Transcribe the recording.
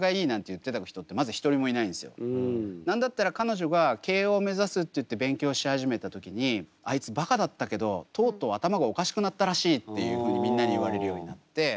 なんだったら彼女が慶應目指すって言って勉強し始めた時にあいつばかだったけどとうとう頭がおかしくなったらしいっていうふうにみんなに言われるようになって。